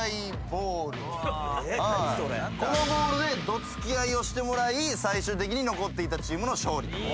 このボールでどつき合いをしてもらい最終的に残っていたチームの勝利。